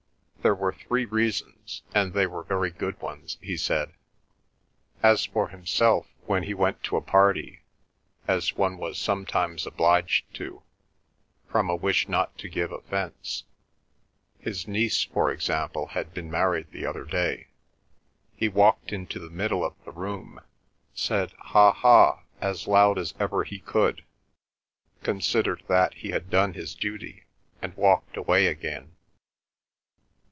There were three reasons, and they were very good ones, he said. As for himself, when he went to a party, as one was sometimes obliged to, from a wish not to give offence—his niece, for example, had been married the other day—he walked into the middle of the room, said "Ha! ha!" as loud as ever he could, considered that he had done his duty, and walked away again.